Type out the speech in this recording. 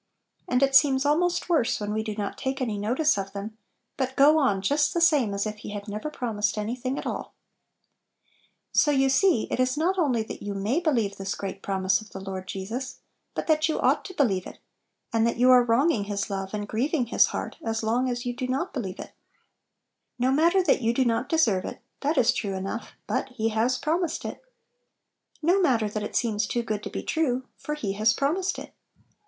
And it seems almost worse when we do not take any notice of them, but go on just the same as if He had never promised any thing at alL So you see it is not only that you may believe this great promise of the Lord Jesus, but that you ought to be lieve it, and that you are wronging His love and grieving His heart as long as vou do not believe it No matter that you do not deserve it; that is true enough! but He has promised it ! No matter that it seems "too good Little Pillows. 91 to be true"; for be has promised it!